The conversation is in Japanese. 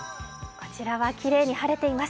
こちらはきれいに晴れています。